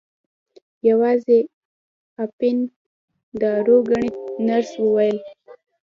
یوازې اپین دارو ګڼي نرس وویل.